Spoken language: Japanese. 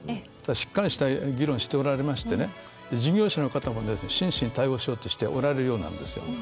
しっかりした議論しておられまして事業者の方も真摯に対応しようとされてるようなんですよ。